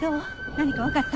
何かわかった？